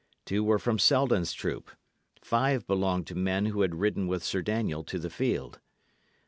Two were from Selden's troop; five belonged to men who had ridden with Sir Daniel to the field.